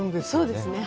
そうですね。